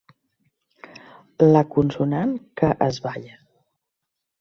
La consonant que es balla.